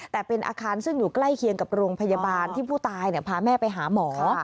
แต่เป็นอาคารซึ่งอยู่ใกล้เคียงกับโรงพยาบาลที่ผู้ตายพาแม่ไปหาหมอ